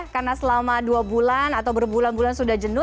karena selama dua bulan atau berbulan bulan sudah jenuh